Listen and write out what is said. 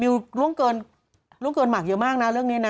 ล่วงเกินล่วงเกินหมากเยอะมากนะเรื่องนี้นะ